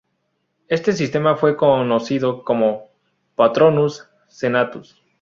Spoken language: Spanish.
Este sistema fue conocido como "patronus senatus".